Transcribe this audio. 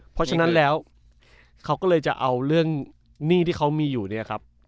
เพราะฉะนั้นแล้วเขาก็เลยจะเอาเรื่องหนี้ที่เขามีอยู่เนี่ยครับ